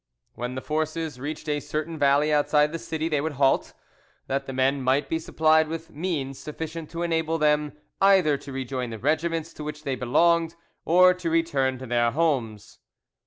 When the forces reached a certain valley outside the city they would halt, that the men might be supplied with means sufficient to enable them either to rejoin the regiments to which they belonged, or to return to their own homes.